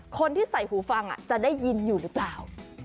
คนที่ใส่หูฟังจะได้ยินอยู่หรือเปล่า